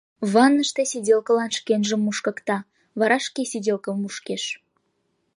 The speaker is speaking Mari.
Ванныште сиделкылан шкенжым мушкыкта, вара шке сиделкым мушкеш.